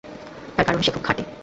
তার কারণ সে খুব খাঁটি।